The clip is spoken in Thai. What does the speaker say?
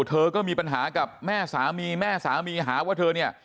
เธอก็มีปัญหากับแม่สามีแม่สามีหาว่าเธอเนี่ย